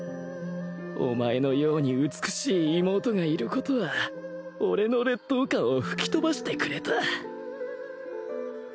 お前のように美しい妹がいることは俺の劣等感を吹き飛ばしてくれた